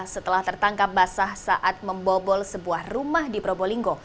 setelah tertangkap basah saat membobol sebuah rumah di probolinggo